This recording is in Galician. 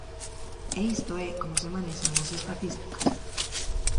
E isto é como se manexan as estatísticas.